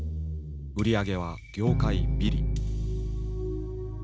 売り上げは業界ビリ。